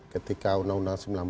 ketika undang undang sembilan puluh